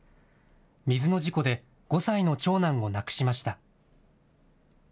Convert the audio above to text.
水の事故で５歳の長男を亡くしました。